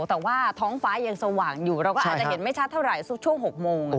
แต่ว่าท้องฟ้ายังสว่างอยู่เราก็อาจจะเห็นไม่ชัดเท่าไหร่สักช่วง๖โมง